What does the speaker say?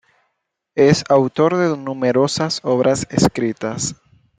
Es autor de numerosas obras escritas.